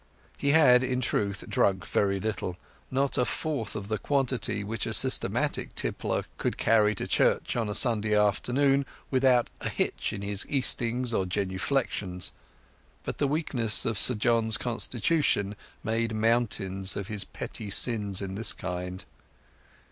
He had, in truth, drunk very little—not a fourth of the quantity which a systematic tippler could carry to church on a Sunday afternoon without a hitch in his eastings or genuflections; but the weakness of Sir John's constitution made mountains of his petty sins in this kind.